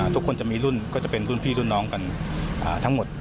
ทุกคนจะมีรุ่นก็จะเป็นรุ่นพี่รุ่นน้องกันทั้งหมด